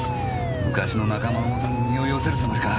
昔の仲間のもとに身を寄せるつもりか？